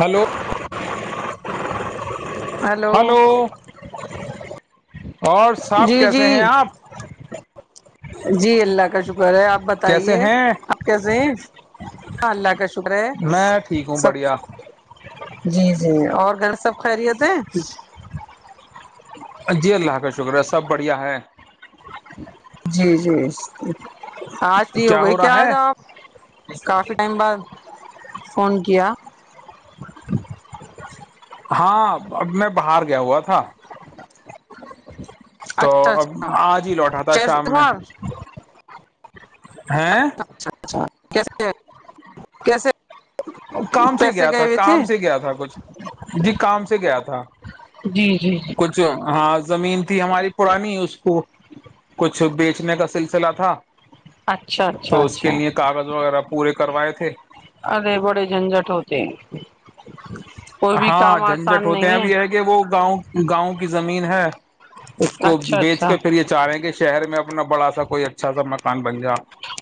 hello [inaudible] hello [inaudible] اور صاپ جی کیسے جی ہیں آپ [inaudible] جی اللہ کا شکر [inaudible] شکر ہے آپ کیسے بتائیے ہیں آپ کیسے ہیں ہاں اللہ کا شکر ہے میں ٹھیک ہوں سب بڑھیا جی [inaudible] جی اور گھر سب خیریت [inaudible] سے [inaudible] جی اللہ کا شکر ہے سب بڑھیا ہے [inaudible] جی جی [inaudible] آج ت ہو گئی کیا آ جؤ آپ کافی ٹائم بعد [inaudible] فون گیا [inaudible] ہاں اب میں باہر گیا ہوا تھا [inaudible] اچھا اب اچھا آج ہی لوٹا تھا شام میں چار [inaudible] ہیں اچ اچھا اچھا [inaudible] کیسے ہیں کیسے [inaudible] کام سے کیسے گیا گئے تھا ہوئے تھے کام سے گیا تھا کچھ جی کام سے گیا تھا جی جی جی کچھ ہاں [inaudible] زمین تھی ہماری پرانی اس کو کچھ بیچنے کا سلسلہ تھا [inaudible] اچھا اچھا تو اس کے اچھا لیئے کاغذ وغیرہ پورے کروائے تھے ارے بڑے جھنجٹ ہوتے [inaudible] کوئی بھی ہاں کام جھنجٹ آسان ہوتے ہیں نہیں اب یہ ہے کہ وہ گاؤں گاؤں کی زمین ہے اس کو اچھا بیچ اچھا کے پھر یہ چاہ رہے ہیں کہ شہر میں ا [inaudible] نہ بڑا سک [inaudible]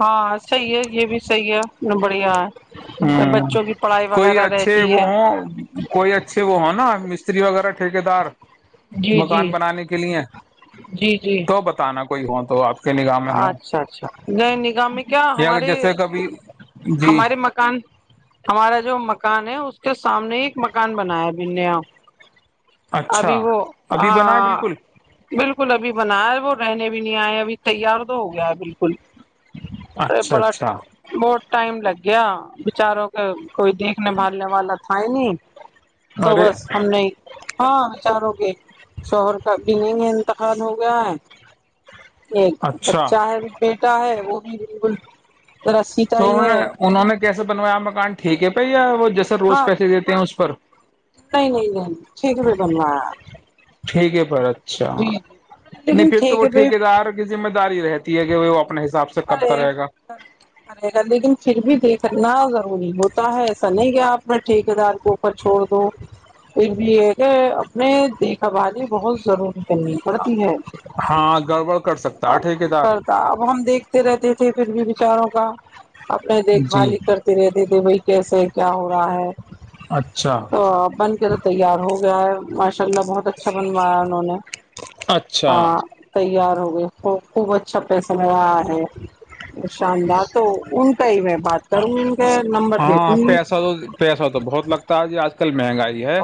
ہاں صحی ہے یہ بھی صحیح ہے بڑھیا ہے ہوں, بچوں کی پڑھائی کوئی وغیرہ اچھے رہتی ہے وہ ہ کوئی اچھے وہ ہیں نا [inaudible] استری وغیرہ ٹھیکے دار [inaudible] جی جی مکان بنانے کے لیے جی جی تو بتانا کو [inaudible] کوئی ہاں تو آ [inaudible] اچھا اچھا ن نگاہ میں کیا یا ہمارے جیسے کبھی جی ہمارے مکان ہمارا جو مکان ہے [unintelligible] [inaudible] سامنے ایک مکان بنایا [unintelligible] منا [unintelligible] اچھا ابھی وہ ابھی بنا ہے ہاں بالکل بالکل ابھی بنا ہے وہ [unintelligible] رہنے بھی نہیں آئے اب فن ارے اچھا بڑا اچھا بہت ٹائم لگ کیا بچاروں کے کوئی دیکھنے بھالنے والا تھا ہی نہیں تو ارے بس ہم نہیں ہاں چاروں کے شوہر کا بھی نہیں انتخال ہو گیا ہے ایک اچھا بچہ ہے بیٹا ہے وہ بھی بل تو انہوں نے کیسے بنوایا مکان ٹھیک ہے پی جی سر روز ہاں پیسے دیتے ہیں اس پر نہیں نہیں نہیں نہیں ٹھیک پہ بنوایا ٹھیکے پر اچھا جی جی نہیں لیکن پھر تو ٹھیک وہ ہے پہ ٹھیکے دار کی ذمہ داری رہتی ہے کہ وہپ اپنے حساب سے کرتا پڑے رہے گا کرے لیکن پھر بھی دیکھنا ضروری ہوتا ہے ایسا نہیں کیا اپنے ٹھیکے دار کو اوپر چھوڑ دو پھر بھی یہ ہے کہ اپنے دیکھا بھالی بہت ضروری کرنی پڑتی ہے ہاں گڑبڑ کر سکتا ہے ٹھیکے دار کرتا اب ہم دیکھ رہتے تھے پھر بھی بچاروں کا اپنا دیکھ جی بھال ہی کرتے رہتے تھے بھائی کیسے ہے کیا ہو ہوا ہے اچھا تو بن کے تو تیار ہو گیا ہے خچ انشاء اللہ بہت اچھا بنوایا انہوں نے اچھا تیار خوب اچھا پیس م ہے [unintelligible] شاندار تو ان کا ہی میں بات کروں گی ان کا نمبر دیکھوں ہاں گی پیسہ تو پیسہ تو بہت لگتا ہے جی آج کل مہنگائی ہے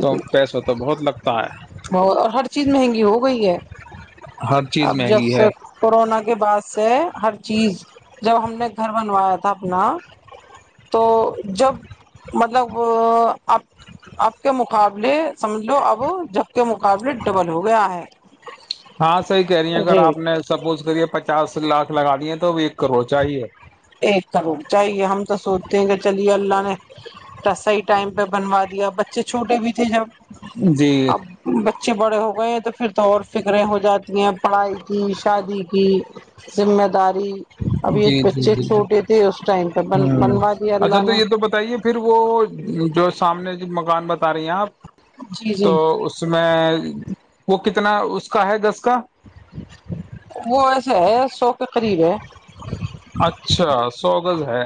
تو پیسہ تو بہت لگتا ہے بت اور ہر چیز مہنگی ہو گئی ہے ہر چیز اب جب مہنگی ہے سے کورونا کے بعد سے ہر چیز جب ہم گھر بنوایا تھا اپنا [unintelligible] تو جب مطلب آپ آپ کے مقابلے سمجھ لو اب جب کے مقابلے ڈبل ہو گیا ہے ہاں صحیح کہہ رہی ہیں اگر آپ ریٹ نے سپوز کریے پچاس لاکھ لگا دیے تو بھی ایک کروڑ چاہیے ایک کروڑ چاہیے ہم تو سوچتے ہیں کہ چلیے اللہ نے صحیح ٹائم پہ بنوا دیا بچے چھوٹے بھی تھے جب جی اچھے بڑے ہو گئے ہیں تو پھر تو اور فکریں ہو جاتی ہیں پڑھائی کی شادی کی ذمہ داری ابھی جی ایک [unintelligible] جی جی ہ دیا اچھا اللہ تو نے یہ تو بتائیے پھر وہ جو ہے سامنے م ان بتا رہی ہیں آپ جی تو جی اس میں وہ کتنا اس کا ہے دس کا وہ ایسے ہے سو کے قریب ہے اچھا سوگز ہے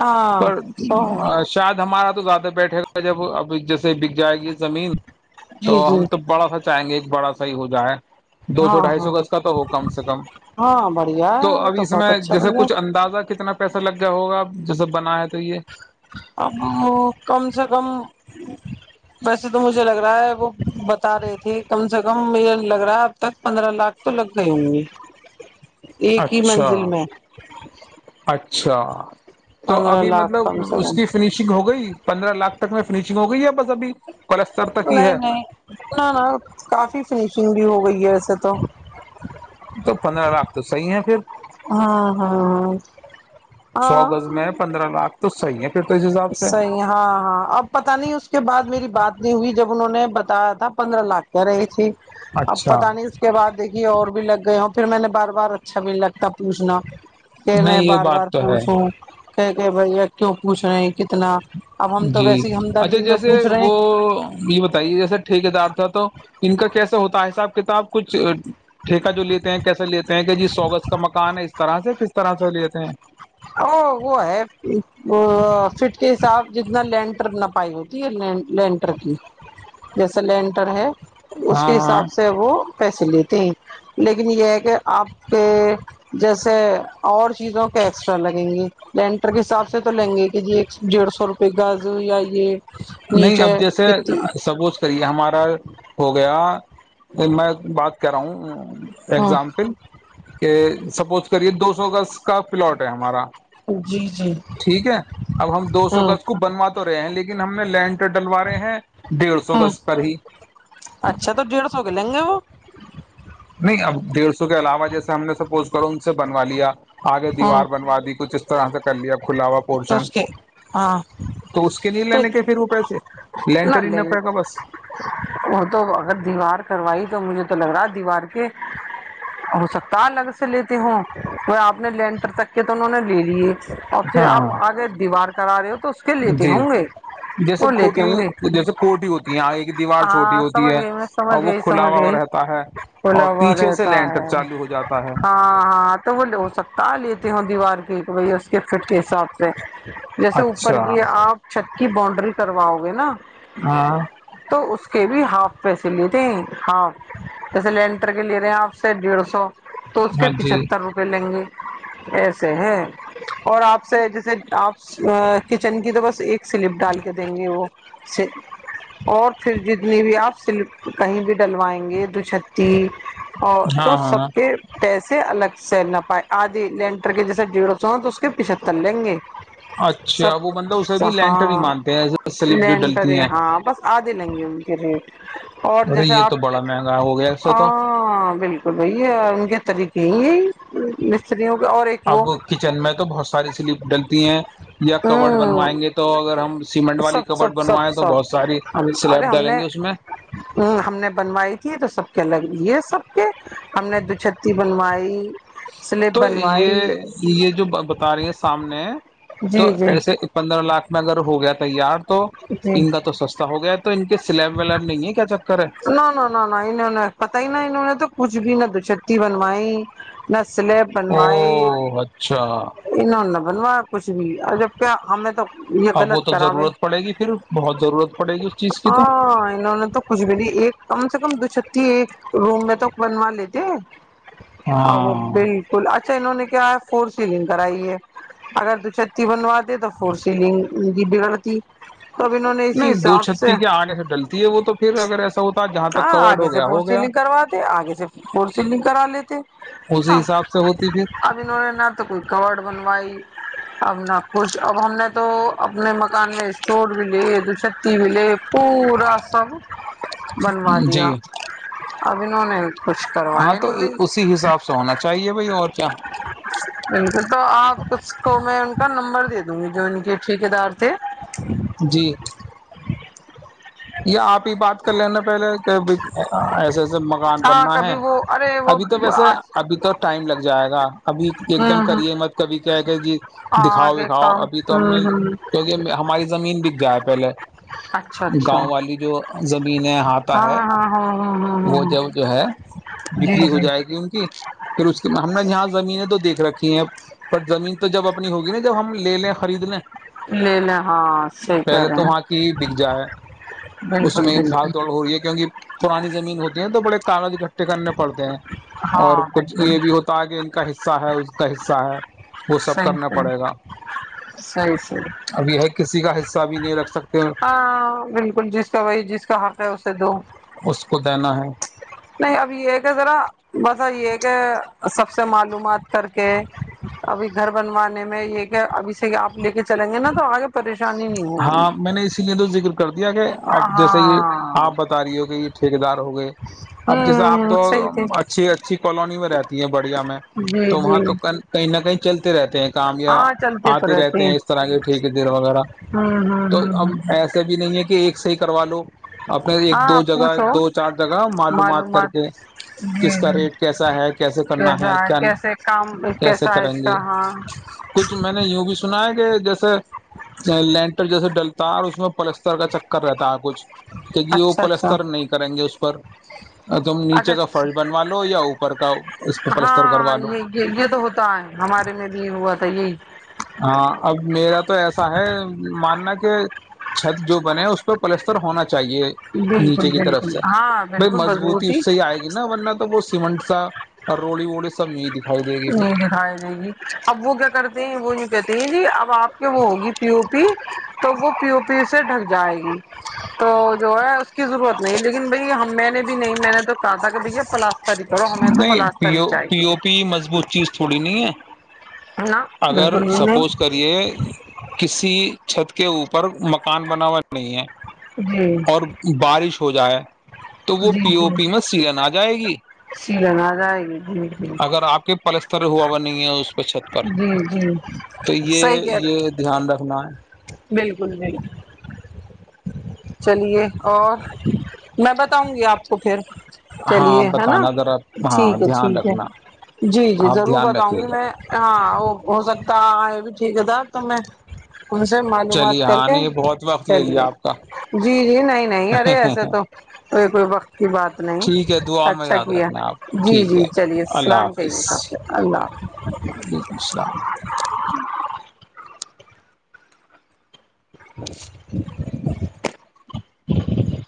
ہاں پر سو ہے شاید ہم ہمارا تو زیادہ بیٹھے گا جب اب جیسے بک جائے گی زمین تو جی جی ہم تو بڑا سا چاہیں گے ایک بڑا سا صحیح ہو جائے [unintelligible] دو سو ہاں ڈھائی سو ہاں گز کا تو وہ کم سے کم ہاں ہاں بڑھیا تو ہے اب اس بہت میں اچھا جیسے بڑھیا چھ اندازہ کتنا پیسہ لگ گیا ہوگا جو سب بنا ہے تو یہ اب کم سے کم ویسے تو مجھے لگ رہا ہے وہ بتا رہی تھی کم سے کم مج لگ رہا ہے اب تک پندرہ لاکھ تو لگ گئی ہوں گی اچھا اچھا تو پندرہ ابھی لاکھ مطلب کم سے اس کم کی فنیشنگ ہو گئی پندرہ لاکھ میں فننیشنگ ہو گئی ہے بس ابھی پلستر تک ہی نہیں ہے نہیں نہ نہ کافی چیکنگ بھی ہو گئی ہے وسے تو تو پندرہ لاکھ تو صحیح ہے پھر ہاں ہاں ہاں سو گز میں ہے پندرہ لاکھ تو صحی ہے پھر تو اس حساب سے صحیح ہاں ہاں اب پتا نہیں اس کے بعد میری بات نہیں ہوئی جب انہوں نے بتا تھا پندرہ لاکھ کیا رہی تھ اب اچھا پت نہیں اس کے بعد دیکھیے اور بھی لگ گئے ہ ہاں کہ میں نہیں یہ بار بار بات تو ہے پوھوں کہ کہ بھیا کیوں پوچھ رہ جی اچھا میں جیسے پوچھ رہے وہ ہیں یہ بتائیے جیسا ٹھیکے دار تھا تو [unintelligible] ان کا کیسا ہوتا ہے حساب کتاب کچھ ٹھیکا جو لیتے ہیں کیسے لیتے ہیں کہ جی سوگس کا مکان ہے اس طرح سے کس طرح سے لیےتے ہیں ا وہ ہے ا فٹک صاف جتنا لینٹر نہ پائی ہوتی ہے لینٹر کی جیسا لینٹر ہے اس ہاں کے ہاں حساب سے وہ پیسے لیتے ہیں لیکن یہ ہے کہ آپ کے جیسے اور چیزوں کے ج بک [unintelligible] کے حساب سے تو لیں گے کہ جی ایک ڈڑھ سو روپے [unintelligible] پ گاازو آئی [unintelligible] نہیں اب جیسے سبوچ کریے ہمارا ہو گیا میں بات کر رہا ہوں ہاں اگزامپل کہ سپوز کریے دو سو اگست کا پلاٹ ہے ہمارا جی جی ٹھیک ہے اب ہم دو سو کا ہاں اس کو بنوا تو رہے ہیں لیکن ہم نے لینٹر ڈلوا رہے ہیں ڈیڑھ سو ہاں گز پر ہی اچھا تو ڈیڑھ سو کے لیں گے وہ نہیں اب ڈیڑ سو کے علاوہ جیسے ہم نے سپوز کرو ان سے بنوا لیا آگے ہاں دیوار بنوا دی کچھ اس طرح سے کر لیا کھلاوا تو پورشن اس کے ہاں تو اس کہ نہیں تو لینے کے پھر وہ پیسے لینٹر ہی نہ پڑے گا بس وہ تو اگر دیوار کروائی تو مجھے تو لگ رہا دیوار کے ہو سکتا ہے الگ سے لیتے ہوں کو آپ اپنے لینٹر تک کے تو انہوں نے لے لیے اور پھر ہاں آپ آگے دیوار کے کرا د [unintelligible] جی جیسے لیتے کھوٹی ہوں گے جیسے کھٹی ہوتی ہیں یہ ایک [unintelligible] ہاں سمجھ گئی میں سمجھ گئی سمجھ ہوا ہو گئی رہتا ہے اور بلاوا پیچھے سے رہتا لینٹر ہے چالو ہو جاتا ہے ہاں ہاں تو وہ ہو سکتا لیتی ہ وار کیک بئی فٹ کے حساب سے جیسے اوپر اچھا کی آپ چھت کی باونڈری کرواؤ گے نا ہاں اس کے بھی ہاف پیسے لیےتے ہاف جیسے لینٹر کے لے رہے ہیں آپ سے ڈیڑھ سو تو اس کے ہاں جی پچہتر روپئے لیں گے ایسے ہیں اور آپ سے جیسے آپ [unintelligible] ا کچن کی تو بس [unintelligible] سلپ ڈال کے دیں گے وہ [unintelligible] چ [unintelligible] اور پھر جتنی بھی آپ سل کہیں بھی ڈلوائیں گے دو چھتی [unintelligible] اور ہاں تو ہاں سب کے پیسے الگ [unintelligible] س نہ پائے آدھی لینٹر کے جیسا جڑونا تو اس کے پچھتر لیں گے [unintelligible] اچھا وہ بطلب اسے سب بھی لینٹر ہی ہاں مانتے ہیںسے سلپ جو ڈلتی ہیں [unintelligible] آ د لیں گے ان کے ریٹ اور ارے جیسے یہ آپ تو بڑا مہنگا ہو گیا ایسا تو ہاں بالکل [unintelligible] بھیا ان کے طریقے یہ ہیں [unintelligible] اب کچن میں تو بہت ساری سلیپ ڈلتی ہیں یا کبڈ ہوں بنوائیں گے تو اگر ہم سیمنٹ سب والی کبڈ سب سب بنوائیں تو بہت سب ساری [unintelligible] ارے سلیب ہم ڈالیں نے گے اس میں ہ ہم نے بنوائی تھی تو سب کے الگ یہ سب کے ہم نے دو چھتی بنوائی [unintelligible] نہیں [unintelligible] تو یہ یہ جو بتا رہی ہیں سامنے تو جی جی ایسے پندرہ لاکھ میں اگر ہو گیا تو [unintelligible] تیار [unintelligible] تو جی ان کا تو سستا ہو گیا تو ان کے سے [unintelligible] سلیب ولیب نہیں ہے کیا چ [unintelligible] نہ نہ نہ نہ انہوں نے پت ہی نا انہوں نے تو کچھ بھی نہ د [unintelligible] شکتی بنوائی نہ [unintelligible] سلیب بنوائی او اچھا انہوں نے بنوایا کچھ بھی اور جب کیا ہمیں تو یہ اب وہ غلط تو کرا ہوے ضرورت پڑے گی پھر بہت ضرورت پڑے گی اس چیز کی تو ہاں انہوں نے تو کچھ بھی نہیں [unintelligible] کم سے کم دو چھتی ایک روم میں تو بنوا لیتے [unintelligible] ا وہ ہاں بالکل اچھا انہوں نے کیا ہے [unintelligible] فور سیلنگ کرائی ہے اگر دو چھتی بنواے تو فور سیلنگ کی بگڑتی تو اب انہوں نے اسی نہیں دو حساب سے چھتی کے آنے سے ڈلتی ہے وہ تو پھر اگر ایسا ہوتا جہاں تک ہاں کورڈ آگے ہو سے گیا فور ہو گیا سیلنگ کرواتے آگے سے فور سیلنگ کرا لیتے اسی ہاں حساب سے ہوتی پھر اب انہوں نے نہ تو کوئی ک [unintelligible] بنوائی ا نہ خوش اب ہم نے تو اپنے مکان میں اسٹور بھی لے دو چھتی بھی لے پورا سب بنوا جی دیا اب انہوں نے کچھ ہاں کرویا تو نہیں ب اسی حساب سے ہونا چاہیے بھائی اور کیا بالکل تو آپ اس کو میں ان کا نمبر دتا جو ان کے ٹھیک دار تھے [unintelligible] جی [inaudible] یا آپ ہی بات کر لینا پہلے ایسے ایسے مکان ہاں بننا ہے کبھی وہ ارے وہ ابھی تو ویسے ابھی تو ٹائم لگ جائے گا ابھی ایک دم ہوں ہوں کریے مت کبھی کیا کہ جی دکھاؤ آگے دکھاؤ کام ابھی تو ہم ہوں نے ہوں کیکہ ہماری زمین بک جائے پہلے اچھا اچھا گاؤں [unintelligible] جو زمین ہے ہاتھ تا ہاں ہے ہاں ہاں ہاں ہاں وہ ہاں جب جو ہے جی بکری ہو جائے گی ان کی پھر اس کے ہم نے یہاں زمینیں تو دیکھ رکھ پر زمین تو جب اپنی ہوگی نا جب ہم لے لیں خرید لیں لے لے ہاں صحی کر پہلے رہے تو ہیں وہاں کی بک جائے اس بالکل میں بالکل بھاگ توڑ ہو رہی ہے کیونکہ پرانی زمین ہوتی ہے تو بڑے کاغذ اٹھے کرنے پڑتے ہیں اور ہاں کچھ بالکل یہ بھی ہوتا ہے کہ ان کا حصہ ہے اس کا حصہ ہے وہ سب صحیح کرنا پڑے صحیح گا صحیح صحیح ابھی ہے کسی کا حصہ سا بھی نہیں رکھ سکت ہاں بل جس کا وہی جس کا حق ہے اسے دو نہائے نہیں ابھی یہ کہ ذرا بس یہ کہ سب سے معلومات کر کے ابھی گھر بنوانے میں یہ کہ ابھی آپے کے چلیں گے نا تو آگے پریش ہاں میں نے اسی لیے تو ذکر کر دیا کہ اب جیسے یہ ہاں آپ بتا رہی ہو کہ یہ ٹھیک ٹھیکے دار ہو گئے اب جیسے آپ ہوں تو صحیح تھی اچھی اچھی کالونی میں رہتی ہیں بڑیا میں جی تو جی وہاں تو کل کہیں نہ کہیں چلتے رہتے ہیں کامیا ہاں چلتے تو آتے رہتے ہیں اس طرح کے ٹھیکے دیر وغیرہ ہوں ہوں تو ہوں اب ہوں ایسا بھی نہیں ہے کہ ایک صحیح کروا لو اپنے ایک ہاں دو جگہ پوچھو دو چار جگہ معلومات کر کے کس کا ریٹ کیسا ہے کیسے کرنا ہے کیسا کیا کیسے کام کیسے کیسا ہے کریں اس گے کا ہاں کچھ میں نے یوں بھی سنا ہے کہ جیسے لینٹر جیسے ڈلتا ہے اور اس میں پلستر کا چکر رہتا ہے کچھ کہ جو وہ اچھا اچھا پلستر نہیں کریں گے اس پر تم اچھا نیچے کا فرش بنوا لو یا اوپر کا اس پ پلستر کروا ہاں لو یہ یہ تو ہوتا ہے ہمارے میں بھی ہوا تھا یہی ہاں اب میرا تو ایسا ہے ماننا کہ چھت جو بنے اس پہ پلستر ہونا چاہیے بالکل نیچے کی طرف بالکل سے ہاں بھائی بالکل مضبوطی اس سے ہی آئے گی نا ورنہ تو وہ سیمنٹ سا ہر رولی وولی سبجد نہیں دکھائی دے گی اب وہ کیا کرتے ہیں وہ کہتی ہیں جی اب آپ کے وہ ہوگی پی او پی تو وہ پی او پی سے ڈھک جائے گی تو جو ہے اس کی ضرورت نہیں لیکن بھائی ہم میں نے بھی نہیں میں نے تو کہا تھا کہ بھیا پلا نہیں پیو پی او پی مضبوط چیز تھوڑی نہیں ہے نہ اگر بالکل بھی سپوز نہیں کریے کسی چھت کے اوپر مکان بنا ہوا نہیں ہے جی اور بارش ہو جائے تو وہ جی پی او جی پی میں سیلن آ جائے گی سیلن آ جائے گی جی جی اگر آپ کے پلستر ہوا وہ نہیں ہے اس پہ چھت پر جی جی تو صحیح یہ کہ رہ یہ دھیان رکھنا ہے بالکل بالکل چلیے اور میں بتاؤں گی آپ کو پھر ہاں چلیے ہے نا بتانا ذرا ہاں ٹھیک ہے دھیان ٹھیک ہے رکھنا جی جی آپ ضرور دھیان بتاؤں رکھیے گی گا میں ہاں اوکے ہو سکتا یہ بھی ٹھیک ہے تھا تو میں ان سے چلیے معلومات کر ہاں کے نے یہ بہت وقت لے لیا چلیے آپ کا جی جی نہیں نہیں ارے ایسے تو ا کوئی وقت کی بات نہیں ٹھیک ہے دعا میں اچھا یاد کیا رکھنا آپ جی ٹھیک جی ہے چلیے اللہ اللام کہیے حافظ سب سے اللہ وعلیکم السلام حافظ [inaudible] ہ